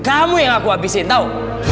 kamu yang aku abisin tau